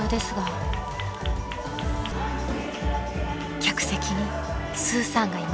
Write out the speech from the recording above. ［客席にスーさんがいました］